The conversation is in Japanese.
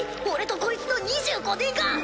俺とコイツの２５年が！